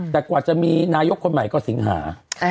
แต่กว่าจะมีนายกคนใหม่ก็สิงหา